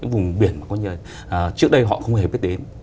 vùng biển mà trước đây họ không hề biết đến